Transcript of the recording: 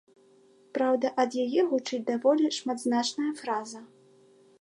Праўда, ад яе гучыць даволі шматзначная фраза.